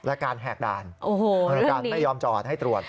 และการแหกด่านการไม่ยอมจอดให้ตรวจ